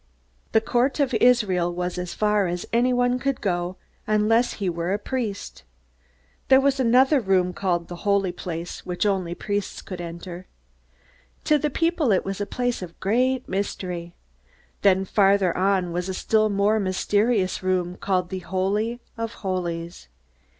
The Court of Israel was as far as anyone could go, unless he were a priest. There was another room called the Holy Place, which only priests could enter. To the people it was a place of great mystery. Then farther on was a still more mysterious room called the Holy of Holies.